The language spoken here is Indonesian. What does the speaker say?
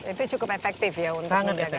itu cukup efektif ya untuk menjaga